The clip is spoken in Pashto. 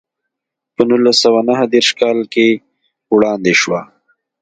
په نولس سوه نهه دېرش کال کې وړاندې شوه.